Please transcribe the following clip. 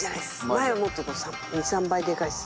マイはもっと２３倍でかいです。